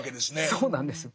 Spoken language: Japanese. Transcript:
そうなんですよ。